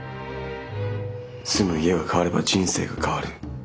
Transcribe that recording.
住む家が変われば人生が変わる。